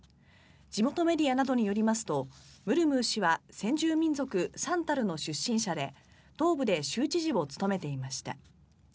地元メディアなどによりますとムルムー氏は先住民族、サンタルの出身者で東部で州知事を務めていました。